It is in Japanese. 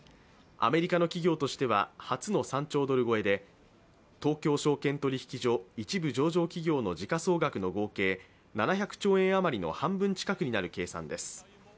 アメリカの企業としては初の３兆ドル超えで東京証券取引所１部上場企業の時価総額の合計、７００兆円あまりの半分近くになる計算です。